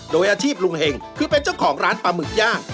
โดยอาชีพลุงเห็งคือเป็นเจ้าของร้านปลาหมึกย่าง